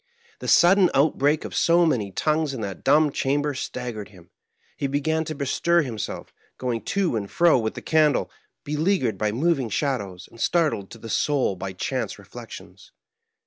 The sudden outbreak of so many tongues in that dumb chamber staggered him. He began to bestir him self, going to and fro with the candle, beleaguered by moving shadows, and startled to the soul by chance re flections.